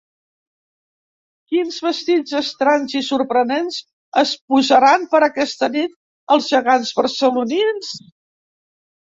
Quins vestits estranys i sorprenents es posaran per aquesta nit els gegants barcelonins?